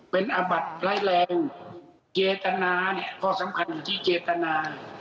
เป็นอาบัติร้ายแรงเจตนาเนี่ยข้อสำคัญอยู่ที่เจตนา